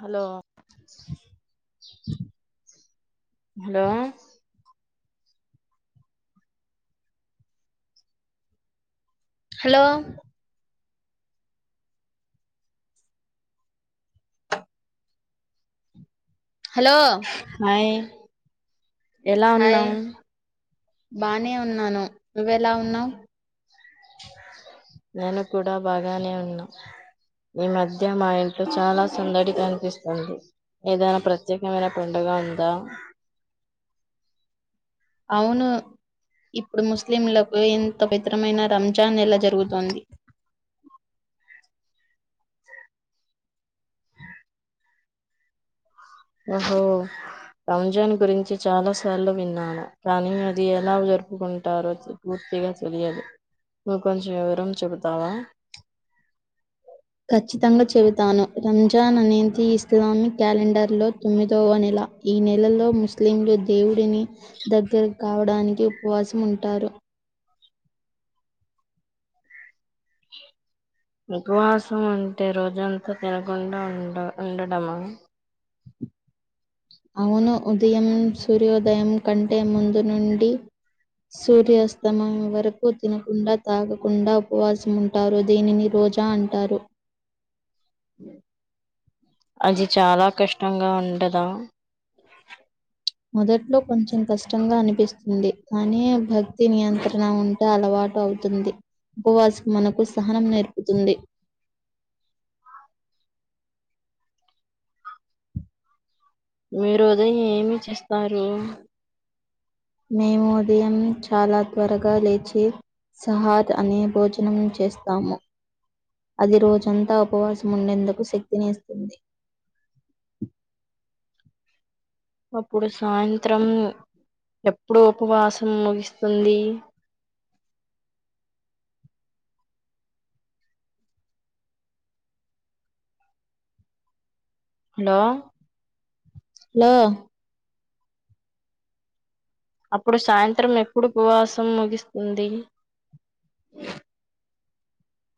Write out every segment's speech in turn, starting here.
Hello. Hello. Hello. Hello hi. Hi బానే ఉన్నాను. నువ్వెలా ఉన్నావు. నేను కూడా బాగానే ఉన్నా. ఈ మధ్య మా ఇంట్లో చాలా సందడిగా అనిపిస్తుంది. ఏదైనా ప్రత్యేకమైన పండగా ఉందా. అవును. ఇప్పుడు ముస్లింలకు ఎంతో పెత్రమైన రంజాన్ ఎలా జరుగుతోంది. యస్. ఆహో. రంజాన్ గురించి చాలా సార్లు విన్నాను. కానీ అది ఎలా జరుపుకుంటారో సు గుర్. తియంస్ తెలియదు నువ్వు కొంచం వివరం చేబుతావా ప్చ్. ఖచ్చితంగా చెబుతాను రంజాన్ అనేది ఇస్లామిక్ క్యాలెండర్ లో తొమ్మిదవ నెల. ఈ నెలలో ముస్లింలు దేవుడిని దగ్గర కావడానికి ఉపవాసం ఉంటారు. [unintelligible] ఉపవాసం అంటే రోజంతా తినకుండా ఉండ ఉండడమా. అవును ఉదయం సూర్యోదయం కంటే ముందు నుండి. సూర్యాస్తమయం వరకు తినకుండా తాగకుండా ఉపవాసముంటారు దీనిని రో రోజా అంటారు. ఉమ్. అది చాలా కష్టంగా ఉండదా. మొదట్లో కొంచెం కష్టంగా అనిపిస్తుంది. కానీ భక్తి నియంత్రణ ఉంటే అద్. అలవాటు అవుతుంది. ఉపవాసం మనకు సహనం నేర్పుతుంది. [unintelligible] మీరు ఉదయం ఏమీ చేస్తారు మేము ఉదయం చాలా త్వరగా లేచి సహాక్ అనే భోజనం చేస్తాము అది రోజంతా ఉపవాసం ఉండేందుకు శక్తిని ఇస్తుంది [inaudible] అప్పుడు సాయంత్రం ఎప్పుడు ఉపవాసం ముగిస్తుంది హలో లో అప్పుడు సాయంత్రం ఎప్పుడు ఉపవాసం ముగిస్తుంది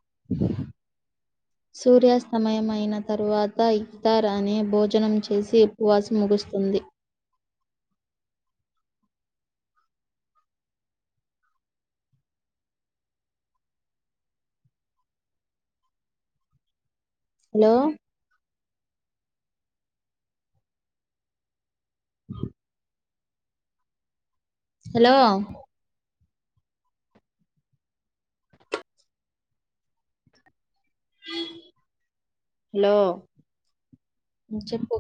[inaudible] సూర్యాస్తమయం అయిన తరువాత ఇక్తార్ అనే భోజనం చేసి ఉపవాసం ముగుస్తుంది [inaudible] హలో [inaudible] హలో లో చెప్పు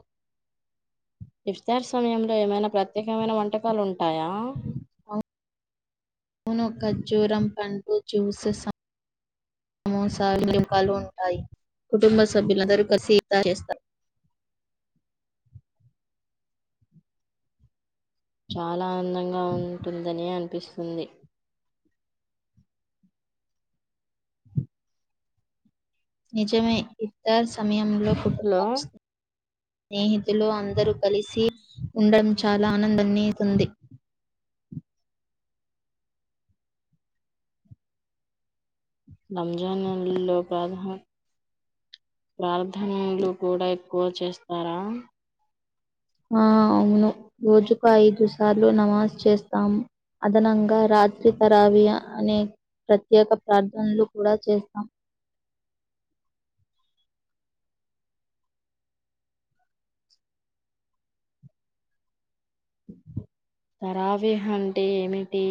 ఇఫ్తార్ సమయంలో ఏమైనా ప్రత్యేకమైన వంటకాలు ఉంటాయా అవును ఖర్జూరం పండ్లు జ్యూసెస్ సమోసా వి రంకాలు ఉంటాయి కుటుంబ సభ్యులందరూ కలిసి ఇక్తార్ చేస్తారు [inaudible] చాలా ఆందంగా ఉంటుందని అనిపిస్తుంది నిజమే ఇక్తార్ సమయంలో పుట్టు హలో వస్తుంది స్నేహితులు అందరూ కలిసి ఉండడం చాలా ఆనందాన్ని ఇస్తుంది రంజాన్ లో ప్రధ ప్రార్థనలు కూడా ఎక్కువ చేస్తారా ఆ అవును రోజుకు ఐదు సార్లు నమాజ్ చేస్తాము అదనంగా రాజ తారవియ అనే ప్రత్యేక ప్రార్థనలు కూడా చేస్తాం తరవిహ అంటే ఏమిటి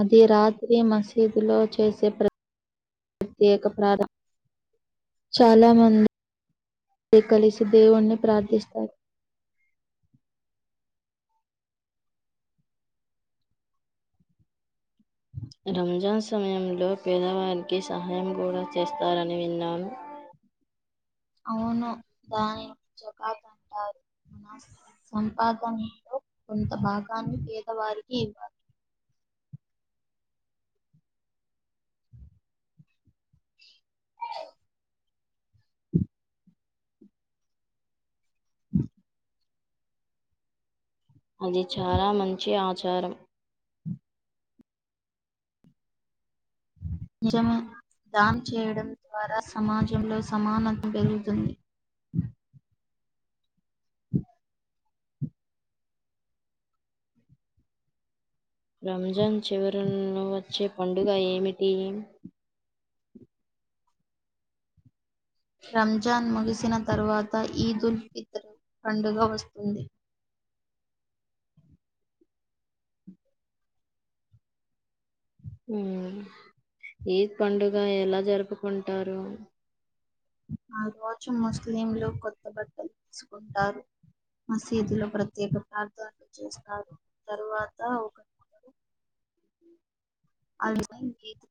అది రాత్రి మసీదు లో చేసే ప్ర ఏక ప్రాధా చాలా మంది కలిసి దేవుణ్ణి ప్రార్థిస్తారు [inaudible] రంజాన్ సమయంలో పేదవారికి సహాయం కూడా చేస్తారని విన్నాను ఆ అవును దానిని జకాతె అంటారు సంపాదనలో కొంత భాగాన్ని పేదవారికి ఇవ్వాలి [inaudible] [inaudible] [inaudible] అది చాలా మంచి ఆచారం నిజంమె దానం చేయడం ద్వారా సమాజంలో సమానత పెరుగుతుంది [inaudible] రంజాన్ చివరిను వచ్చే పండుగ ఏమిటి రంజాన్ ముగిసిన తర్వాత ఈద్ ఉల్ ఫితర్ పండుగ వస్తుంది ఊ ఈ పండుగ ఎలా జరుపుకుంటారు ఆ రోజు ముస్లింలు కొత్త బట్టలేసుకుంటారు మసీదులో ప్రత్యేక ప్రార్థనలు చేస్తారు తరువాత ఒక [inaudible] అర్జన్ గీత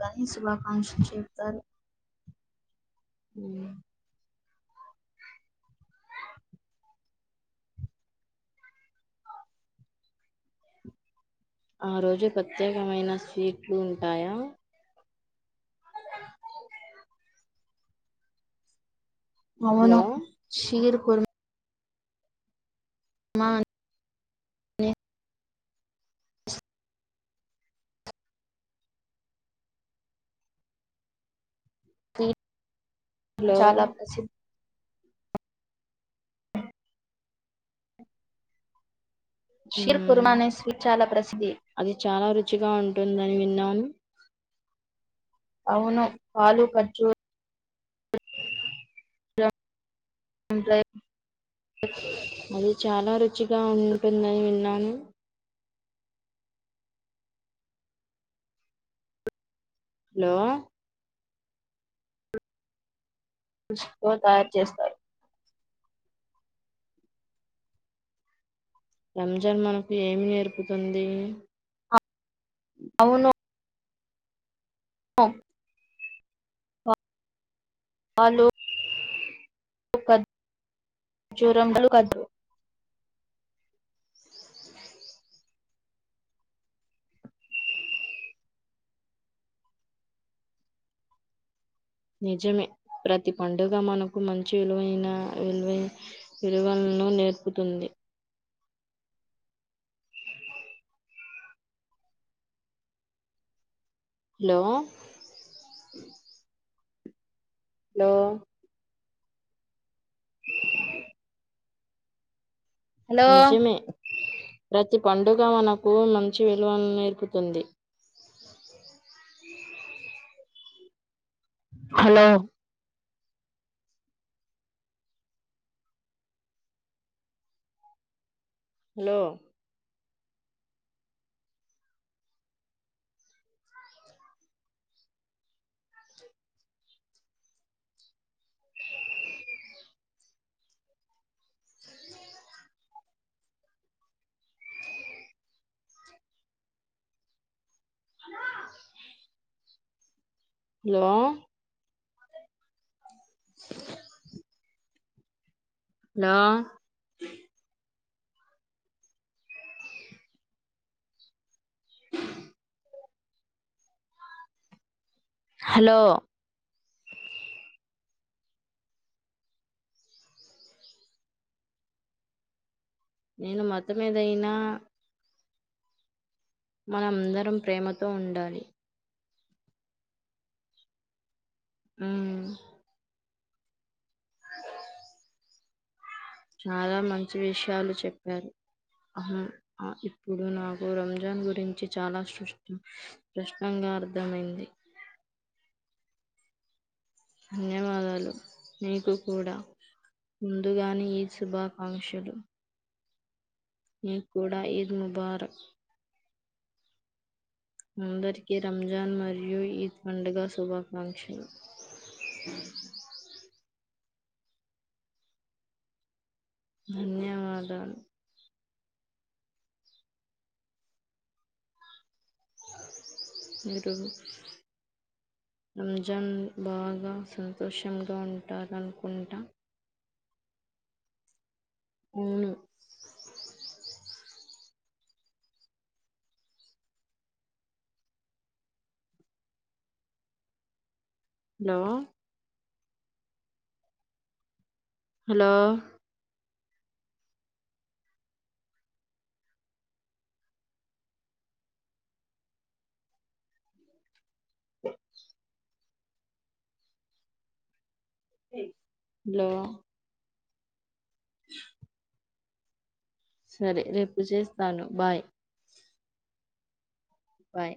గని శుభాకాంక్షలు చెప్తారు ఊ [unintelligible] ఆ రోజు ప్రత్యేకమైన స్వీట్లు ఉంటాయా అవును హలో షీర్ కుర్ మా ని నీ లో చాలా ప్రసిద్ షీర్ కుర్మా ఉమ్ అనే స్వీట్ చాలా ప్రసిద్ధి అది చాలా రుచిగా ఉంటుందని విన్నాను అవును పాలు ఖర్జూ ర అది చాలా రుచిగా ఉంటుందని విన్నాను హలో వాళ్ తయారు చేస్తారు రంజాన్ మనకు ఏమి నేర్పుతుందీ అవును అ అలో [unintelligible] నిజమే ప్రతి పండుగ మనకు మంచి విలువైన విలువ విలువ ను నేర్పుతుంది హ్లో లో హలో నిజమే ప్రతి పండుగ మనకు మంచి విలువల్నేర్పుతుంది [unintelligible] హలో హలో [unintelligible] లో [inaudible] లో హలో నేను మతమేదయినా మనం అందరం ప్రేమతో ఉండాలి మ్మ్మ్ చాలా మంచి విషయాలు చెప్పారు అహు అ ఇప్పుడు నాకు రంజాన్ గురించి చాలా స్పష్టంగా అర్థమైంది ధన్యవాదాలు ముందుగా నీకు శుభాకాంక్షలు నీక్కూడా ఈద్ ముబారక్ అందరికి రంజాన్ మరియు ఈద్ పండుగ శుభాకాంక్షలు [inaudible] ధన్యవాదాలు [unintelligible] మిరూ రంజన్ బాగా సంతోషంగా ఉంటారనుకుంటా? అవును లో హలో లో సరే రేపు చేస్తాను బాయ్ బాయ్